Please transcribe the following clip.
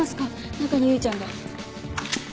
中に唯ちゃんが。